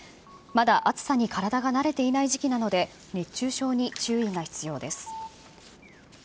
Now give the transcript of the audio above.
まだ暑さに体が慣れていない時期なので、熱中症に注意が必要です。